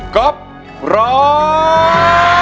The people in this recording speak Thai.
กลับร้อย